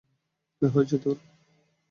কী হয়েছে তোর?